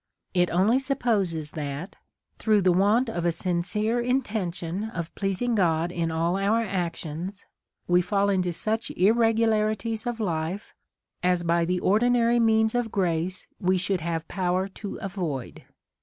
Jt only supposes that, through the want of a sincere intention of pleasing God in all our actions, we fall into such irregularities of life, as by the ordinary means of grace we should have power to avoid.